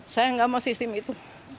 saya nggak mau sistem itu